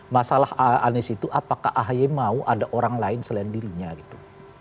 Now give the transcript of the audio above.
masalah aneh situ apakah ahaya mau ada orang lain selain dirinya gitu